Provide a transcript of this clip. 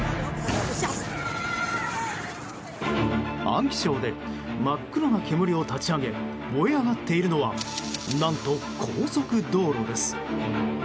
安徽省で真っ黒な煙を立ち上げ燃え上がっているのは何と、高速道路です。